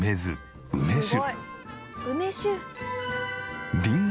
「梅酒！」